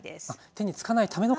手につかないための片栗粉。